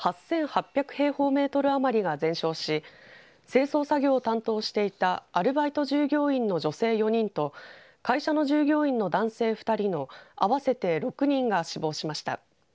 平方メートル余りが全焼し清掃作業を担当していたアルバイト従業員の女性４人と会社の従業員の男性２人の合わせて６人が死亡しました。